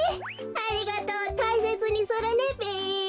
ありがとうたいせつにするねべ。